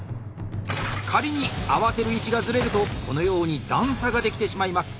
仮に合わせる位置がずれるとこのように段差が出来てしまいます。